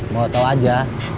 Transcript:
mau tau aja